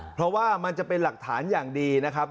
เพราะว่ามันจะเป็นหลักฐานอย่างดีนะครับ